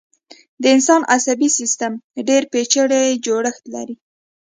د انسان عصبي سيستم ډېر پيچلی جوړښت لري.